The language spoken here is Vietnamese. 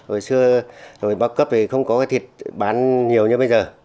hồi xưa rồi bao cấp thì không có cái thịt bán nhiều như bây giờ